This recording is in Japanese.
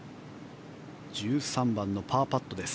１３番のパーパットです。